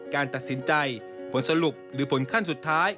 การตัดสินใจผลสรุปหรือผลขั้นสุดท้าย